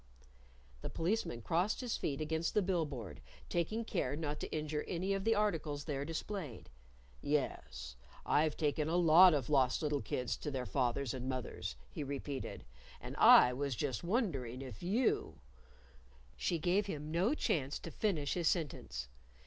The Policeman crossed his feet against the bill board, taking care not to injure any of the articles there displayed. "Yes, I've taken a lot of lost little kids to their fathers and mothers," he repeated. "And I was just wondering if you " She gave him no chance to finish his sentence.